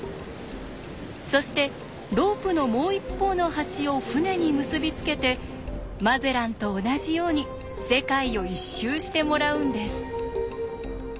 そしてロープのもう一方の端を船に結び付けてマゼランと同じように世界を一周してもらうんです。